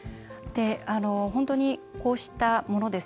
本当に、こうしたもの